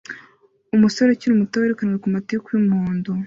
umusore ukiri muto wirukanwa kumatiku yumuhondo